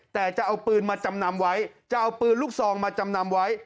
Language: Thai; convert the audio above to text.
แต่จะเอาปืนมาจำนำไว้จะเอาปืนลูกซองมาจำนำไว้